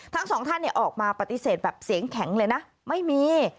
ทั้งสองท่านออกมาปฏิเสธแบบเสียงแข็งเลยนะไม่มี